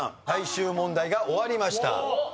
最終問題が終わりました。